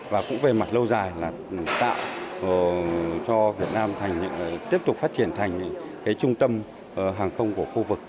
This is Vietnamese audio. và cũng về mặt lâu dài là tạo cho việt nam tiếp tục phát triển thành trung tâm hàng không của khu vực